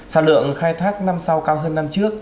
sản lượng khai thác năm sau cao hơn năm trước